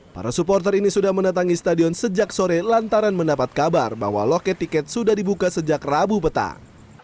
para supporter ini sudah mendatangi stadion sejak sore lantaran mendapat kabar bahwa loket tiket sudah dibuka sejak rabu petang